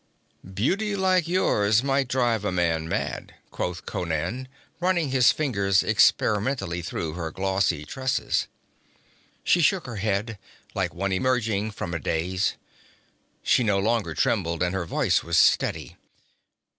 'Beauty like yours might drive a man mad,' quoth Conan, running his fingers experimentally through her glossy tresses. She shook her head, like one emerging from a daze. She no longer trembled, and her voice was steady.